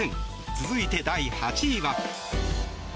続いて、第８位は。